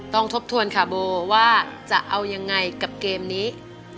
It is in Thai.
ทบทวนค่ะโบว่าจะเอายังไงกับเกมนี้